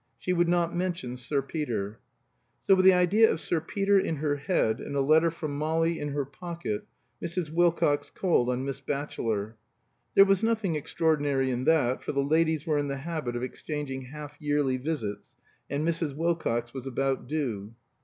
She would not mention Sir Peter. So with the idea of Sir Peter in her head and a letter from Molly in her pocket, Mrs. Wilcox called on Miss Batchelor. There was nothing extraordinary in that, for the ladies were in the habit of exchanging half yearly visits, and Mrs. Wilcox was about due.